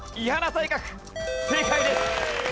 正解です。